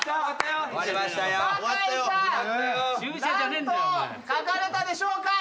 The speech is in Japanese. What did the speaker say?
何と書かれたでしょうか？